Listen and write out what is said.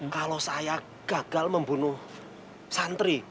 kalau saya gagal membunuh santri